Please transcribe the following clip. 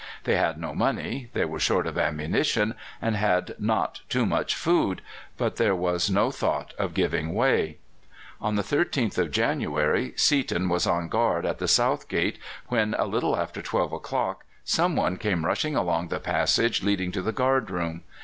They had no money, they were short of ammunition, and had not too much food; but there was no thought of giving way. On the 13th of January Seaton was on guard at the south gate when, a little after twelve o'clock, some one came rushing along the passage leading to the guardroom.